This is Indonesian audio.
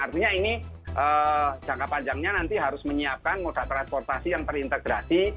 artinya ini jangka panjangnya nanti harus menyiapkan moda transportasi yang terintegrasi